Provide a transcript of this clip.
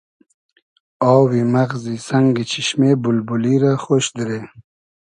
آوی مئغزی سئنگی چیشمې بولبولی رۂ خۉش دیرې